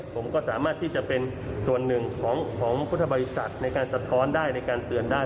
ผมก็สามารถที่จะเป็นส่วนหนึ่งของพุทธบริษัทในการสะท้อนได้ในการเตือนได้